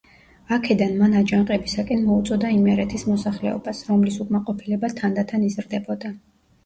აქედან მან აჯანყებისაკენ მოუწოდა იმერეთის მოსახლეობას, რომლის უკმაყოფილება თანდათან იზრდებოდა.